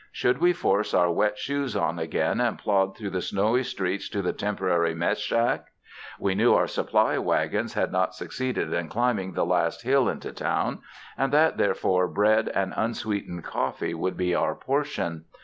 Should we force our wet shoes on again and plod through the snowy streets to the temporary mess shack? We knew our supply wagons had not succeeded in climbing the last hill into town, and that therefore bread and unsweetened coffee would be our portion.